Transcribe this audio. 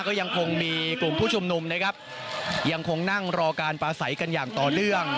ก็ยังคงมีกลุ่มผู้ชุมนุมนะครับยังคงนั่งรอการปลาใสกันอย่างต่อเนื่อง